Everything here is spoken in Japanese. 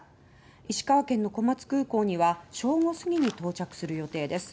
石川県の小松空港には正午過ぎに到着する予定です。